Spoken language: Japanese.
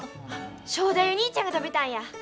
正太夫兄ちゃんが食べたんや。